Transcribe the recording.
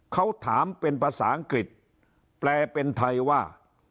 เขาถามเป็นภาษาอังกฤษแปลเป็นไทยว่า